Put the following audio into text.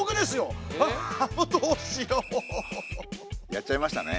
やっちゃいましたね。